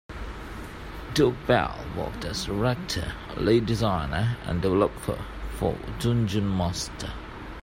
Doug Bell worked as director, lead designer and developer for Dungeon Master.